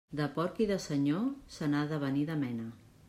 De porc i de senyor se n'ha de venir de mena.